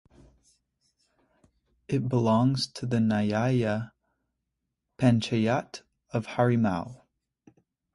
It belongs to the nyaya panchayat of Harimau.